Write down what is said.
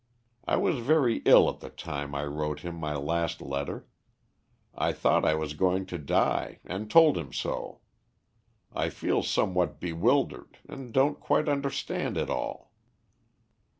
I was very ill at the time I wrote him my last letter. I thought I was going to die, and told him so. I feel somewhat bewildered, and don't quite understand it all."